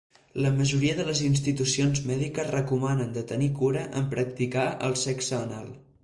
La majoria de les institucions mèdiques recomanen de tenir cura en practicar el sexe anal.